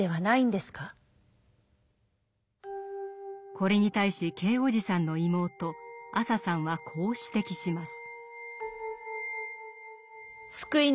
これに対しＫ伯父さんの妹アサさんはこう指摘します。